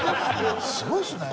すごいですね。